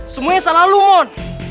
semuanya salah lu mon